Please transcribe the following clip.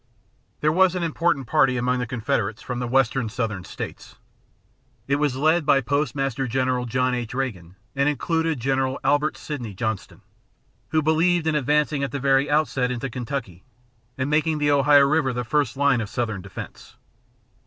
There was an important party among the Confederates from the western Southern States it was led by Postmaster General John H. Reagan and included General Albert Sidney Johnston who believed in advancing at the very outset into Kentucky and making the Ohio River the first line of Southern defense.